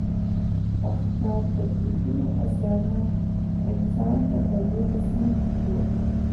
د ښکار تکتیکونو انسان ته په یخو سیمو کې قوت ورکړ.